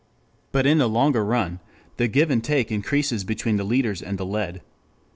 2 But in the longer run, the give and take increases between the leaders and the led.